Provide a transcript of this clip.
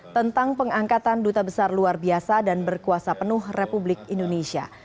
tentang pengangkatan duta besar luar biasa dan berkuasa penuh republik indonesia